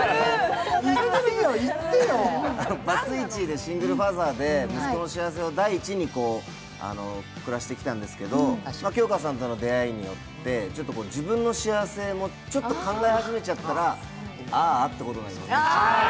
バツイチでシングルファーザーで息子の幸せを第一に生活してきたんですけど杏花さんとの出会いによって自分の幸せもちょっと考え始めちゃったらあーあということになるんですね。